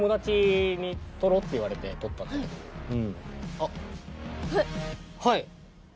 あっはい。